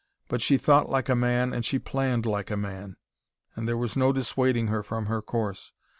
But she thought like a man and she planned like a man. And there was no dissuading her from her course.